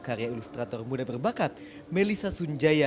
karya ilustrator muda berbakat melissa sunjaya